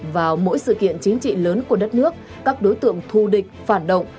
vào mỗi sự kiện chính trị lớn của đất nước các đối tượng thu địch phản động